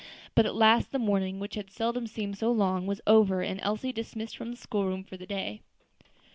But at last the morning, which had seldom seemed so long, was over, and Elsie dismissed from the school room for the day.